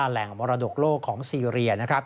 แหล่งมรดกโลกของซีเรียนะครับ